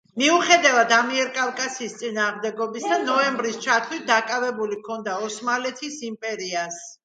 მიუხედავად ამიერკავკასიის წინააღმდეგობისა, ნოემბრის ჩათვლით დაკავებული ჰქონდა ოსმალეთის იმპერიას.